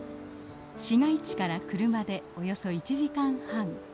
市街地から車でおよそ１時間半